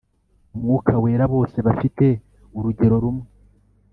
Umwuka wera bose bafite urugero rumwe